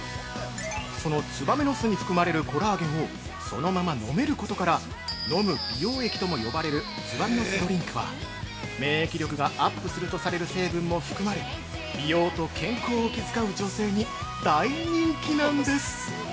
その燕の巣に含まれるコラーゲンをそのまま飲める事から、飲む美容液とも呼ばれる「燕の巣ドリンク」は、免疫力がアップするとさせる成分も含まれ、美容と健康を気遣う女性に大人気なんです！